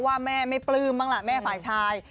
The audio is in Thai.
ว่าแม่ไม่ปลื้มบ้างล่ะแม่ฝ่ายชาย